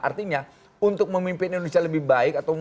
artinya untuk memimpin indonesia lebih baik